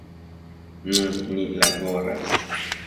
Nu, ni laboras.